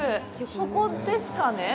ここですかね？